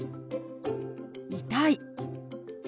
「痛い」。